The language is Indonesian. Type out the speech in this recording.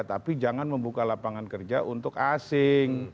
tapi jangan membuka lapangan kerja untuk asing